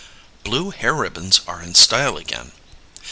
Blue hair ribbons are in style again.